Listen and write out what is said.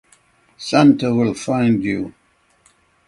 Santa Will Find You!